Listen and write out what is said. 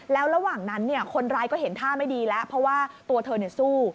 แล้วระหว่างนั้นคนร้ายก็เห็นท่าไม่ดีแล้วเพราะว่าตัวเธอสู้